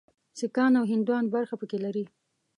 سیکهان او هندوان برخه پکې لري.